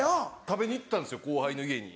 食べに行ったんですよ後輩の家に。